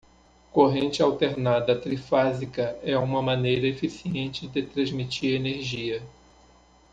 Corrente alternada trifásica é uma maneira eficiente de transmitir energia.